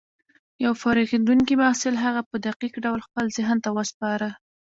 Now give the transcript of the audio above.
يو فارغېدونکي محصل هغه په دقيق ډول خپل ذهن ته وسپاره.